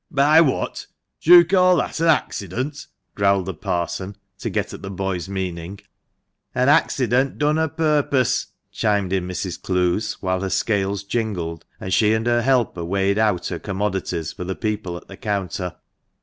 "By what? Do you call that an accident?" growled the parson, to get at the boy's meaning. "An accident done a purpose," chimed in Mrs. Clowes, whilst her scales jingled, and she and her helper weighed out her commodities for the people at the counter.